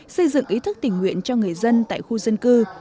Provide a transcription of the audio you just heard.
xây dựng ý thức tình nguyện cho người dân tại khu dân cư